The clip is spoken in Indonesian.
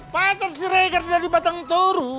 patar siregar dari batang toru